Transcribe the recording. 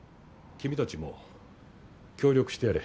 君たちも協力してやれ。